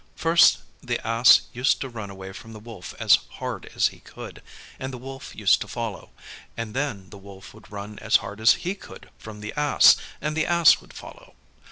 First the Ass used to run away from the Wolf as hard as he could, and the Wolf used to follow; and then the Wolf would run as hard as he could from the Ass, and the Ass would follow.